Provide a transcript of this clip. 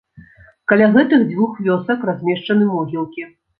Каля гэтых дзвюх вёсак размешчаны могілкі.